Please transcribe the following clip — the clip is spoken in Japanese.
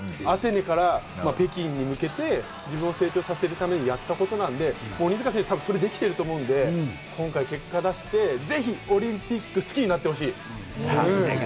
アテネから北京に向けて自分を成長させるためにやったことなので、鬼塚選手、それができていると思うんで、今回、結果を出して、ぜひオリンピックを好きになってほしい。